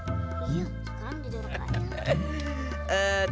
sekarang jadi orang kaya